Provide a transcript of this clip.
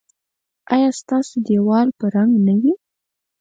ایا ستاسو دیوال به رنګ نه وي؟